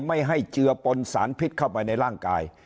ไม่ให้เจือปนสารพิษเข้าไปในร่างกาย